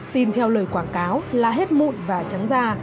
tin theo lời quảng cáo là hết mụn và trắng da